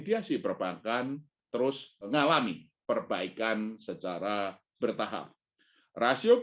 diikuti penurunan suku bunga kredit baru pada seluruh kelompok